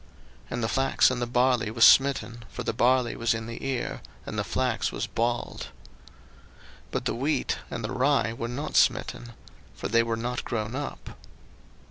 02:009:031 And the flax and the barley was smitten: for the barley was in the ear, and the flax was bolled. 02:009:032 But the wheat and the rie were not smitten: for they were not grown up.